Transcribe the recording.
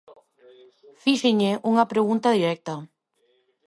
Fíxenlle unha pregunta directa.